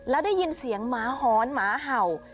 แล้วได้ยินเสียงหมาหอนหมาเห่า